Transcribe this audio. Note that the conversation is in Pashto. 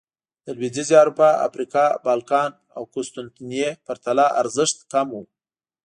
د لوېدیځې اروپا، افریقا، بالکان او قسطنطنیې پرتله ارزښت کم و